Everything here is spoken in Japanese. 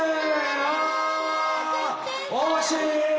あ惜しい！